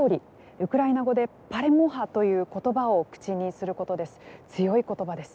ウクライナ語でパレモハという言葉を口にすることです。